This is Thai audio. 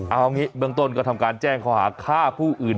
เอางี้เบื้องต้นก็ทำการแจ้งข้อหาฆ่าผู้อื่น